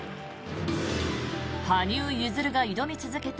羽生結弦が挑み続けた